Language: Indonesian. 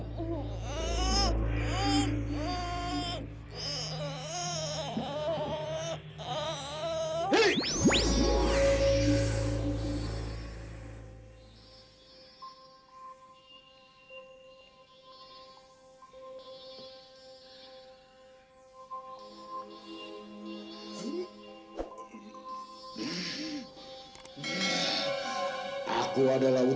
game nya bukannya salah